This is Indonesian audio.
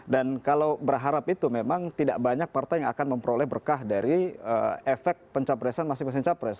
dan kalau berharap itu memang tidak banyak partai yang akan memperoleh berkah dari efek pencapresan masing masing capres